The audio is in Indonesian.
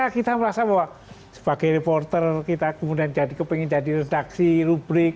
kita merasa bahwa sebagai reporter kita kemudian ingin jadi redaksi rubrik